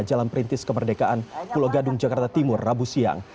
jalan perintis kemerdekaan pulau gadung jakarta timur rabu siang